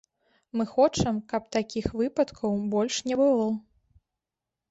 Мы хочам, каб такіх выпадкаў больш не было.